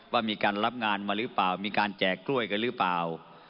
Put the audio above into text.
ว่ามีการรับงานมาหรือเปล่ามีการแจกกล้วยกันหรือเปล่า